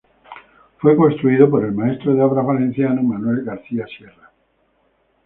Fue construido por el maestro de obras valenciano Manuel García Sierra.